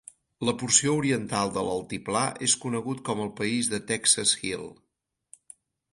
La porció oriental de l'altiplà és conegut com el país de Texas Hill.